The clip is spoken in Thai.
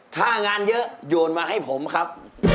ถ้างานเยอะโยนมาให้ผมครับ